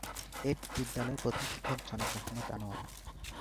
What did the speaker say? এ বিদ্যালয়ের প্রধান শিক্ষক জনাব মোহাম্মদ আনোয়ার।